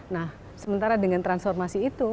nah sementara dengan transformasi itu